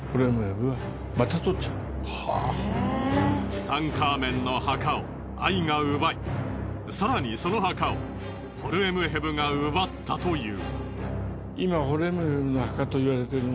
ツタンカーメンの墓をアイが奪い更にその墓をホルエムヘブが奪ったという。